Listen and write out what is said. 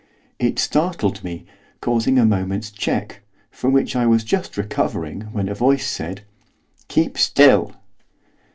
It startled me, causing a moment's check, from which I was just recovering when a voice said, 'Keep still!